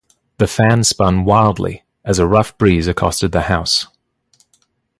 The fan spun wildly as a rough breeze accosted the house.